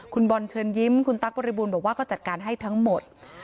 คุณบอลเชิญยิ้มคุณตั๊กบริบูรณ์บอกว่าก็จัดการให้ทั้งหมด